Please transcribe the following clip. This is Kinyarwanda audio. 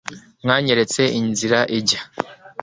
mwanyeretse inzira ijya